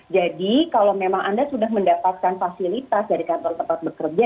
jadi kalau memang anda sudah mendapatkan fasilitas dari kantor tempat bekerja